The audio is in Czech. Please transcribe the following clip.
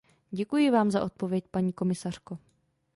Děkuji vám za odpověď, paní komisařko.